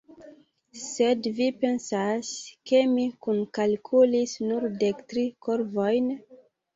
Sed vi pensas, ke mi kunkalkulis nur dek tri korvojn?